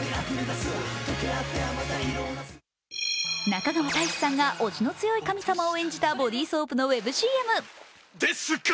中川大志さんが押しの強い神様を演じたボディーソープのウェブＣＭ。